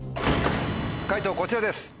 解答こちらです。